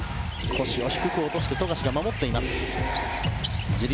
腰を低く落として富樫が守っている。